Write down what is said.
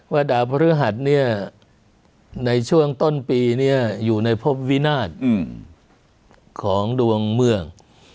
ดาวพฤหัสเนี่ยในช่วงต้นปีเนี่ยอยู่ในพบวินาศของดวงเมือง